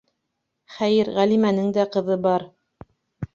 Хәйер, Ғәлимәнең дә ҡыҙы бар.